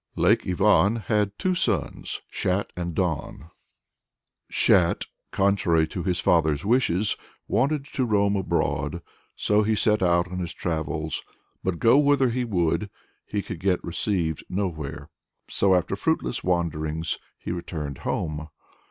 Lake Ivan had two sons, Shat and Don. Shat, contrary to his father's wishes, wanted to roam abroad, so he set out on his travels, but go whither he would, he could get received nowhere. So, after fruitless wanderings, he returned home.